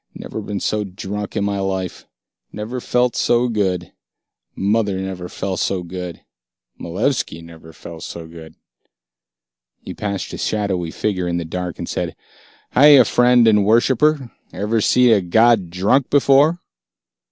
"Never been so drunk in my life. Never felt so good. Mother never felt so good. Malevski never felt so good." He passed a shadowy figure in the dark and said, "Hiya, friend and worshipper. Ever see a god drunk before?"